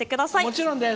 もちろんです。